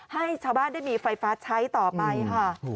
ให้ชาวบ้านได้มีไฟฟ้าใช้ต่อไปค่ะ